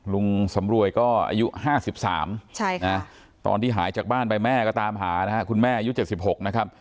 ลุงสำรวยก็อายุ๕๓ตอนที่หายจากบ้านไปแม่ก็ตามหานะครับคุณแม่อายุ๗๖นะครับ